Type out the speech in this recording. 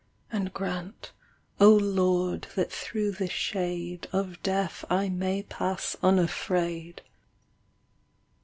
And grant, O Lord that through the shade Of Death, I may pass unafraid.